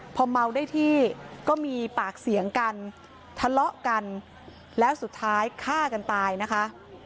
พอเมาได้ที่ก็มีปากเสียงกันทะเลาะกันแล้วสุดท้ายฆ่ากันตายนะคะ